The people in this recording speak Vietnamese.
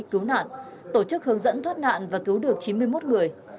cứu nạn tổ chức hướng dẫn thoát nạn và cứu được chín mươi một người